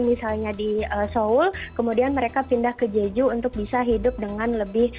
misalnya di seoul kemudian mereka pindah ke jeju untuk bisa hidup dengan lebih